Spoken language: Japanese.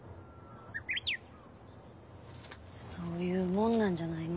そういうもんなんじゃないの？